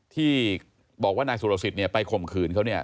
ที่บอกว่านายสุรสิทธิ์ไปข่มขืนเขาเนี่ย